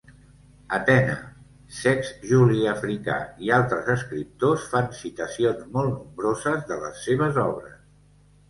Atena, Sext Juli Africà i altres escriptors fan citacions molt nombroses de les seves obres.